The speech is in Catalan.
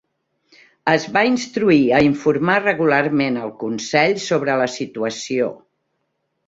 Es va instruir a informar regularment al Consell sobre la situació.